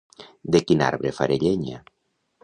De quin arbre faré llenya?